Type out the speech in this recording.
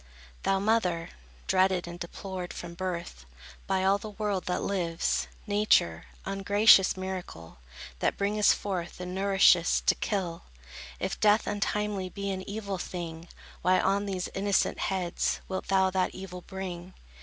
Thou mother, dreaded and deplored From birth, by all the world that lives, Nature, ungracious miracle, That bringest forth and nourishest, to kill, If death untimely be an evil thing, Why on these innocent heads Wilt thou that evil bring?